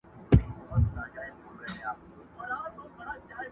سلامونه سهار مو ګلورین،